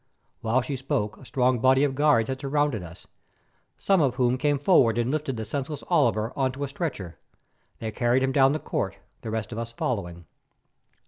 While she spoke a strong body of guards had surrounded us, some of whom came forward and lifted the senseless Oliver on to a stretcher. They carried him down the court, the rest of us following.